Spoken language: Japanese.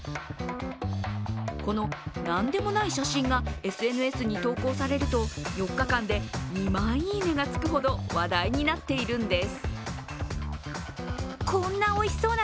この何でもない写真がＳＮＳに投稿されると４日間で２万いいねがつくほど、話題になっているんです。